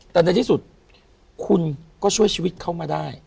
แต่ในที่สุดคุณก็ช่วยชีวิตเขามาได้